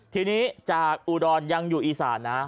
ทีนี้จากอุดรยังอยู่อีสานนะ